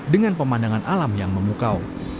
dengan pemandangan alam yang memukau